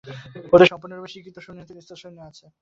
ওদের সম্পূর্ণরূপে শিক্ষিত ও সুনিয়ন্ত্রিত স্থল-সৈন্য আছে।